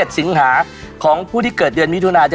สิงหาของผู้ที่เกิดเดือนมิถุนา